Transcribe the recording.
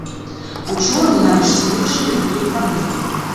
Учора мы, нарэшце, вырашылі гэтую праблему.